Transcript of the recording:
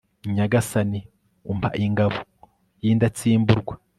nyagasani, umpa ingabo y'indatsimburwa